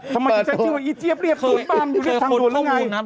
ทำไมอีเจี๊ยบเรียบถูกป้ามเรียบถังหลวงรึไง